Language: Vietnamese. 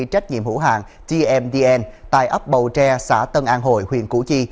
trách nhiệm hữu hạng tmdn tại ấp bầu tre xã tân an hồi huyện củ chi